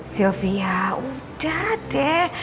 silvia udah deh